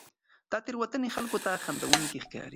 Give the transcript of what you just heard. دا تېروتنې خلکو ته خندوونکې ښکاري.